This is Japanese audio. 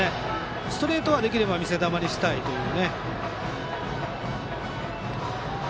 ストレートはできれば見せ球にしたいという。